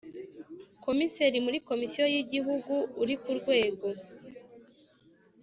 Komiseri muri Komisiyo yIgihugu uri ku rwego